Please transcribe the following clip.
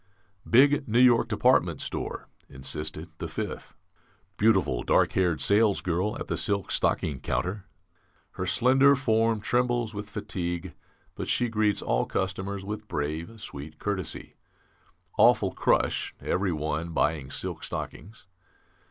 '""Big New York department store," insisted the fifth. "Beautiful dark haired salesgirl at the silk stocking counter. Her slender form trembles with fatigue, but she greets all customers with brave, sweet courtesy. Awful crush, every one buying silk stockings.